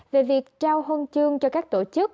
về việc trao hôn chương cho các tổ chức